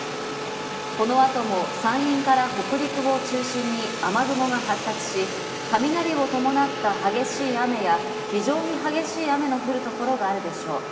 この後も、山陰から北陸を中心に雨雲が発達し、雷を伴った激しい雨や、非常に激しい雨の降るところがあるでしょう。